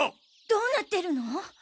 どうなってるの！？